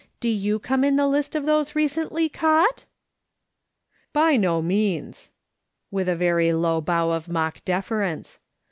Do you come in the list of those recently caught ?"" By no means," with a very low bow of mock deference.